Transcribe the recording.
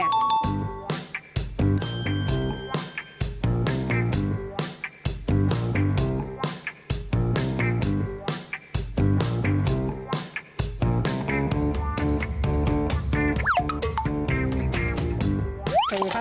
คุยช่ายไนฮีรสเข็ดเล็กเป็นยังไง